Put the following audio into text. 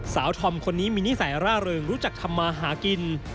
ธอมคนนี้มีนิสัยร่าเริงรู้จักทำมาหากิน